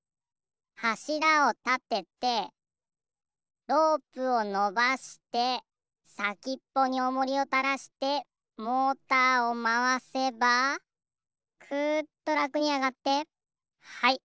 はしらをたててロープをのばしてさきっぽにおもりをたらしてモーターをまわせばくっとらくにあがってはい。